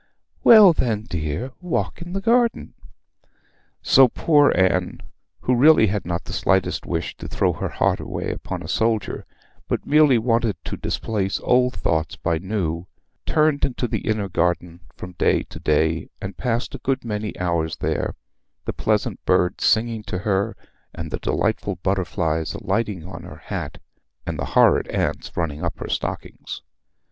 'Well then, dear, walk in the garden.' So poor Anne, who really had not the slightest wish to throw her heart away upon a soldier, but merely wanted to displace old thoughts by new, turned into the inner garden from day to day, and passed a good many hours there, the pleasant birds singing to her, and the delightful butterflies alighting on her hat, and the horrid ants running up her stockings.